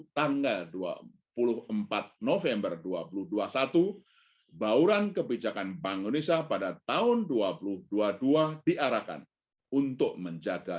tanggal dua puluh empat november dua ribu dua puluh satu bauran kebijakan bank indonesia pada tahun dua ribu dua puluh dua diarahkan untuk menjaga